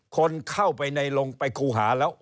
คนเข้าไปในลงไปครูหาแล้ว